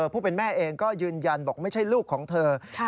ผู้เป็นแม่เองก็ยืนยันบอกไม่ใช่ลูกของเธอ